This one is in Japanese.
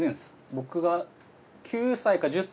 僕が。